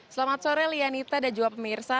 selamat sore lianita dan juga pemirsa